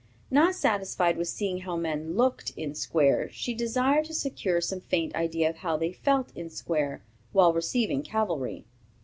Not satisfied with seeing how men looked in square, she desired to secure some faint idea of how they felt in square while 'receiving cavalry.'